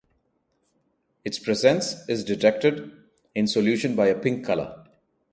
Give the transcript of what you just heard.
Its presence is detected in solution by a pink color.